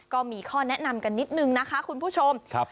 ก็มีข้อแนะนำกันนิดนึงนะคะคุณผู้ชม